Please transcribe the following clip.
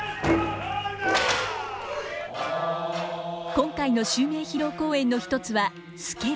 今回の襲名披露公演の一つは「助六」。